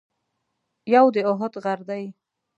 یو د اُحد غر دی.